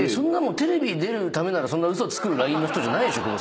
テレビ出るためならそんな嘘つくラインの人じゃないでしょ。